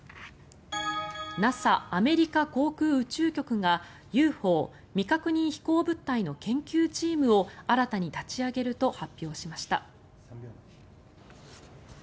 ＮＡＳＡ・アメリカ航空宇宙局がＵＦＯ・未確認飛行物体の研究チームを新たに立ち上げると発表しました。